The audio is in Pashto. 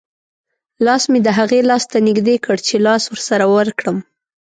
لاس مې د هغې لاس ته نږدې کړ چې لاس ورسره ورکړم.